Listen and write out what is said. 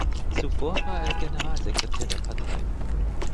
Zuvor war er Generalsekretär der Partei.